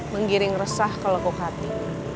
menggiring resah ke lekuk hati